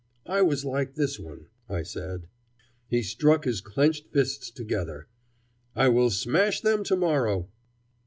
"I was like this one," I said. He struck his clenched fists together. "I will smash them to morrow."